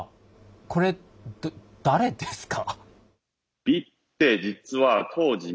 これ誰ですか？